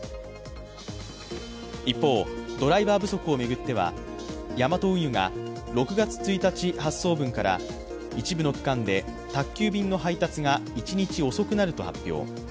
一方、ドライバー不足を巡ってはヤマト運輸が６月１日発送分から一部の区間で宅急便の配達が１日遅くなると発表。